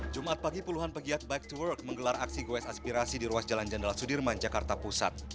jumat pagi puluhan pegiat bike to work menggelar aksi goes aspirasi di ruas jalan jenderal sudirman jakarta pusat